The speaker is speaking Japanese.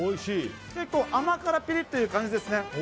結構甘辛ピリッという感じですね。